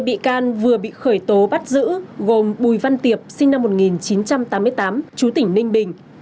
một bị can vừa bị khởi tố bắt giữ gồm bùi văn tiệp sinh năm một nghìn chín trăm tám mươi tám chú tỉnh ninh bình